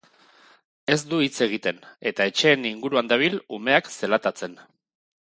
Ez du hitz egiten eta etxeen inguruan dabil, umeak zelatatzen.